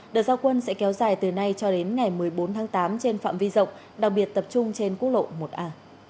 đợt giao quân sẽ kéo dài từ nay cho đến ngày một mươi bốn tháng tám trên phạm vi rộng đặc biệt tập trung trên quốc lộ một a